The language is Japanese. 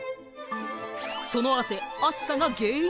その汗暑さが原因？